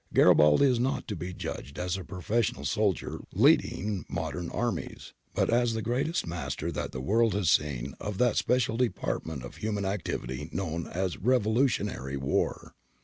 Garibaldi is not to be judged as a professional soldier leading modern armies, but as the greatest master that the world has seen of that special department of human activity known as revolutionary war.